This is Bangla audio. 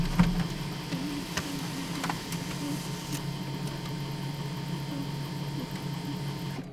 চীন, এশিয়া-মাইনর ও মালয়-দ্বীপপুঞ্জের মধ্যভাগে এখনও তাহার চিহ্ন বর্তমান।